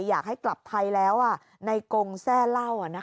อยากให้กลับไทยแล้วในกงแซ่เล่า